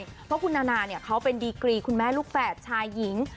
เพราะคุณนานาเขาเป็นดีกรีคุณแม่ลูกแฝดชายหญิง